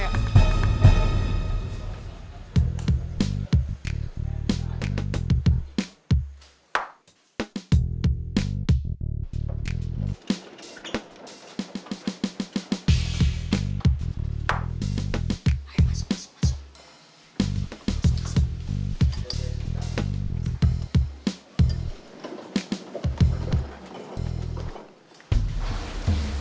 ayo masuk masuk masuk